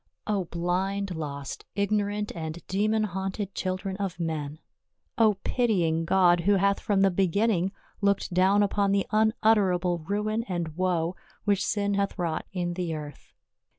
O blind, lost, ignorant and demon haunted children of men ! O pitying God, who hath from the begin ning looked down upon the unutterable ruin and woe which sin hath wrought in the earth